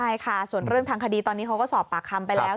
ใช่ค่ะส่วนเรื่องทางคดีตอนนี้เขาก็สอบปากคำไปแล้ว